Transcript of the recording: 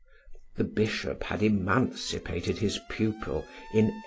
The bishop had emancipated his pupil in 1811.